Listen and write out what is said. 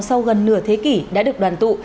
sau gần nửa thế kỷ đã được đoàn tụ